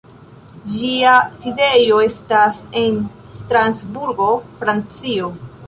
Ĝia sidejo estas en Strasburgo, Francio.